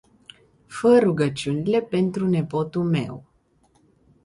Fa rugaciunile pt nepotul meu.